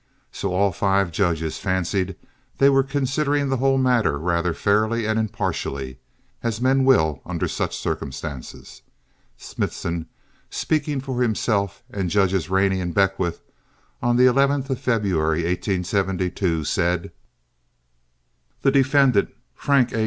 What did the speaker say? So all five judges fancied they were considering the whole matter rather fairly and impartially, as men will under such circumstances. Smithson, speaking for himself and Judges Rainey and Beckwith on the eleventh of February, 1872, said: "The defendant, Frank A.